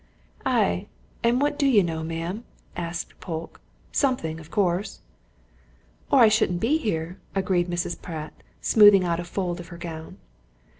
"Ay and what do you know, ma'am?" asked Polke. "Something, of course." "Or I shouldn't be here," agreed Mrs. Pratt, smoothing out a fold of her gown.